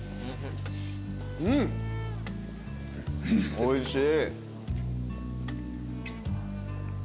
おいしい。